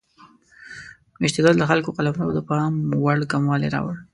میشتېدل د خلکو قلمرو د پام وړ کموالی راوړ.